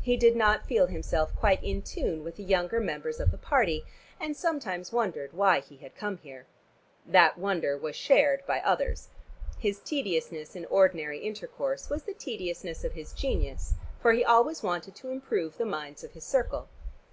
He did not feel himself quite in tune with the younger members of the party, and sometimes wondered why he had come here. That wonder was shared by others. His tediousness in ordinary intercourse was the tediousness of his genus, for he always wanted to improve the minds of his circle.